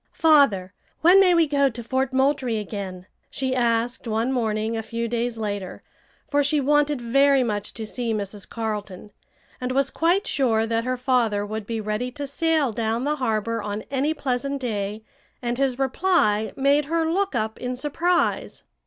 "Father, when may we go to Fort Moultrie again?" she asked one morning a few days later, for she wanted very much to see Mrs. Carleton, and was quite sure that her father would be ready to sail down the harbor on any pleasant day, and his reply made her look up in surprise.